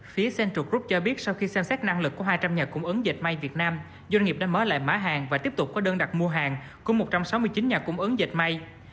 phía central group cho biết sau khi xem xét năng lực của hai trăm linh nhà cung ứng dịch may việt nam doanh nghiệp đã mở lại mã hàng và tiếp tục có đơn đặt mua hàng của một trăm sáu mươi chín nhà cung ứng dịch may